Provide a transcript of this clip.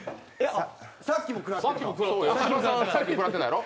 さっきも食らってた。